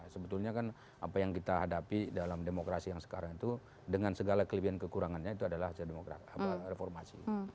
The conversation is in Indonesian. sebetulnya kan apa yang kita hadapi dalam demokrasi yang sekarang itu dengan segala kelebihan kekurangannya itu adalah reformasi